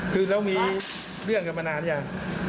คือแล้วมีเรื่องกันมานานหรือยัง